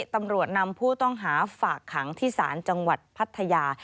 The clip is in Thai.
ตำรวจนำผู้ต้องหาฝากขังที่ศาลจังหวัดพัทยา